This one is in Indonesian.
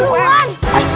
ih aku dulu kan